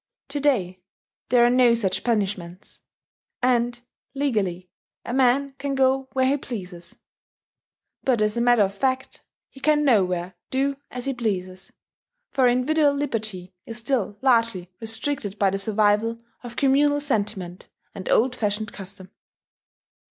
To day, there are no such punishments; and, legally, a man can go where he pleases. But as a matter of fact he can nowhere do as he pleases; for individual liberty is still largely restricted by the survival of communal sentiment and old fashioned custom.